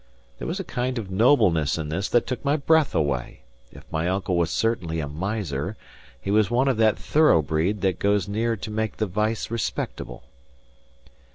There was a kind of nobleness in this that took my breath away; if my uncle was certainly a miser, he was one of that thorough breed that goes near to make the vice respectable.